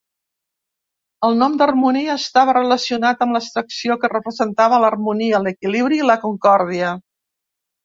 El nom d'Harmonia estava relacionat amb l'abstracció que representava l'harmonia, l'equilibri i la concòrdia.